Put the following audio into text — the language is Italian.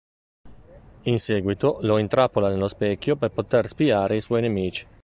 In seguito lo intrappola nello specchio per poter spiare i suoi nemici.